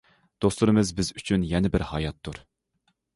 دوستلىرىمىز بىز ئۈچۈن يەنە بىر ھاياتتۇر.